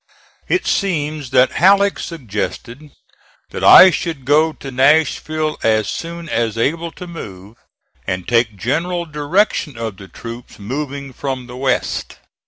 It seems that Halleck suggested that I should go to Nashville as soon as able to move and take general direction of the troops moving from the west.